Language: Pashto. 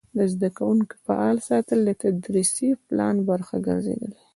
د زده کوونکو فعال ساتل د تدریسي پلان برخه ګرځېدلې.